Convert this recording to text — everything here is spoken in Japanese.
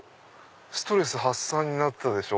ストレス発散になったでしょ。